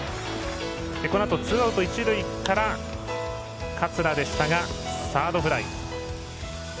このあとツーアウト、一塁から桂でしたがサードフライ。